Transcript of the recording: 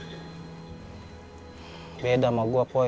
hai beda mau gua poy